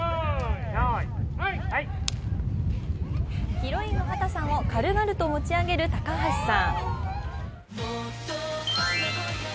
ヒロインの畑さんを軽々と持ち上げる高橋さん。